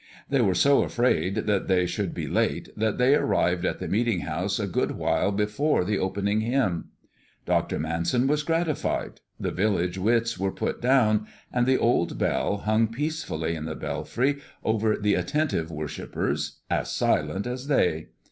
They were so afraid that they should be late that they arrived at the meeting house a good while before the opening hymn. Dr. Manson was gratified, the village wits were put down, and the old bell hung peacefully in the belfry over the attentive worshipers, as silent as they.